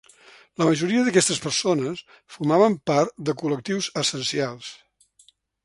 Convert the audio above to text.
La majoria d’aquestes persones formaven part de col·lectius essencials.